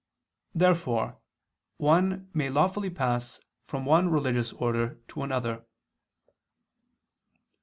Therefore one may lawfully pass from one religious order to another.